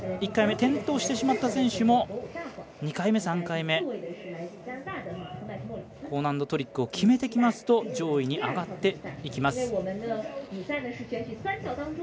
１回目、転倒してしまった選手も２回目、３回目高難度トリックを決めてきますと上位に上がっていきます。